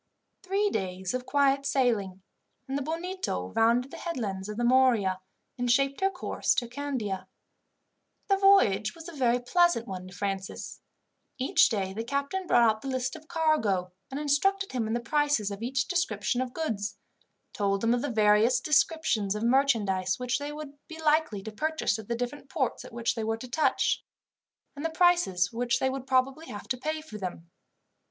Three days of quiet sailing, and the Bonito rounded the headlands of the Morea, and shaped her course to Candia. The voyage was a very pleasant one to Francis. Each day the captain brought out the list of cargo, and instructed him in the prices of each description of goods, told him of the various descriptions of merchandise which they would be likely to purchase at the different ports at which they were to touch, and the prices which they would probably have to pay for them.